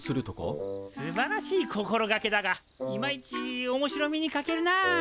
すばらしい心がけだがいまいちおもしろみにかけるな。